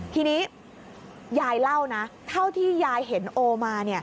ทีนี้ยายเล่านะเท่าที่ยายเห็นโอมา